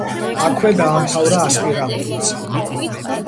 აქვე დაამთავრა ასპირანტურა.